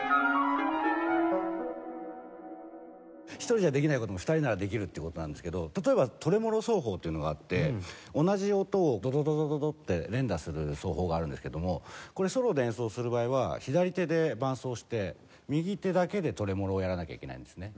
１人じゃできない事も２人ならできるっていう事なんですけど例えばトレモロ奏法というのがあって同じ音を「ドドドドドド」って連打する奏法があるんですけどもこれソロで演奏する場合は左手で伴奏をして右手だけでトレモロをやらなきゃいけないんですね。